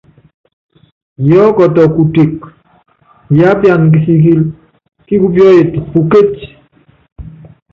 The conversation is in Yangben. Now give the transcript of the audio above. Yiɔ́kɔtɔ kuteke, yiápiana kisikili kíkupíɔ́yɛt pukéci.